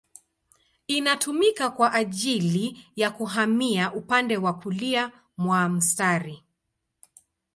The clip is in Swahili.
Inatumika kwa ajili ya kuhamia upande wa kulia mwa mstari.